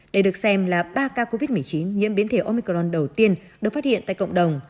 đây được xem là ba ca covid một mươi chín nhiễm biến thể omicron đầu tiên được phát hiện tại cộng đồng